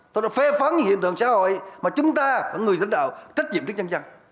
tôi đã phê phấn những hiện tượng xã hội mà chúng ta những người dân đạo trách nhiệm trước chăng chăng